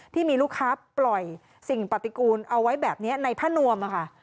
ที่มีลูกค้าปล่อยสิ่งปฏิกูลเอาไว้แบบนี้ในผ้านวมค่ะ